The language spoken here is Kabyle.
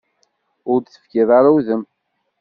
Ur d-tefkiḍ ara udem.